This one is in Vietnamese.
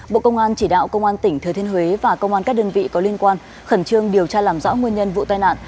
bộ công an chỉ đạo công an tỉnh thừa thiên huế và công an các đơn vị có liên quan khẩn trương điều tra làm rõ nguyên nhân vụ tai nạn